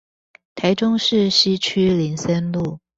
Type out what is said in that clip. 台中市西區林森路